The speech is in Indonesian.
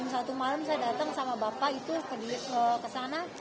satu malam saya datang sama bapak itu ke sana